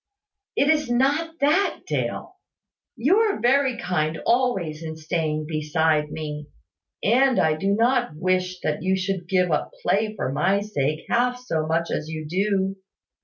"It is not that, Dale. You are very kind always in staying beside me; and I do not wish that you should give up play for my sake half so much as you do.